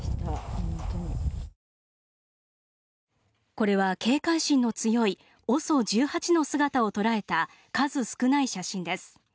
これは警戒心の強いＯＳＯ１８の姿を捉えた数少ない写真です。